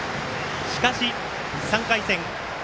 しかし、３回戦。